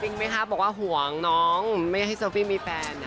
จริงมั้ยครับบอกว่าห่วงน้องไม่ให้โซฟีมีแฟน